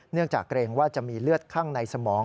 จากเกรงว่าจะมีเลือดข้างในสมอง